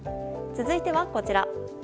続いては、こちら。